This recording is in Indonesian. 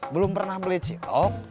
belum pernah beli cilok